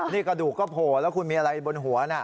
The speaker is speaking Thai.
นี่กระดูกก็โผล่แล้วคุณมีอะไรบนหัวนะ